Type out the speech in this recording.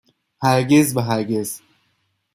هرگز و هرگز